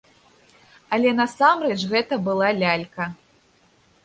Але насамрэч гэта была лялька.